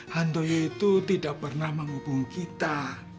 handoyo itu tidak pernah menghubung kita